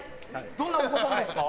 どんなお子さんですか？